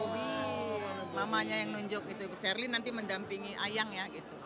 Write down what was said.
oh mamanya yang nunjuk gitu shirley nanti mendampingi ayang ya gitu